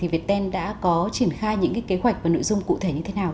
việt tên đã có triển khai những kế hoạch và nội dung cụ thể như thế nào